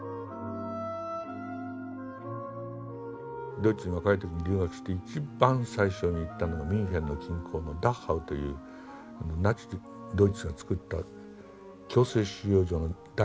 ドイツに若い時に留学して一番最初に行ったのはミュンヘンの近郊のダッハウというナチス・ドイツが作った強制収容所の第１号だったんです。